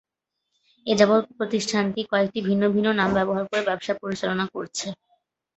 এযাবৎ প্রতিষ্ঠানটি কয়েকটি ভিন্ন ভিন্ন নাম ব্যবহার করে ব্যবসা পরিচালনা করেছে।